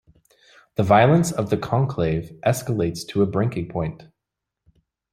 The violence of the Conclave escalates to a breaking point.